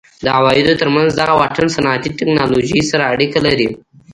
د عوایدو ترمنځ دغه واټن صنعتي ټکنالوژۍ سره اړیکه لري.